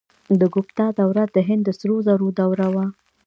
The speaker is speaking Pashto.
د ګوپتا دوره د هند د سرو زرو دوره وه.